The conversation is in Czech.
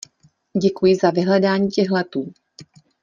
Děkuji za vyhledání těch letů.